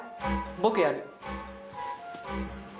僕やる。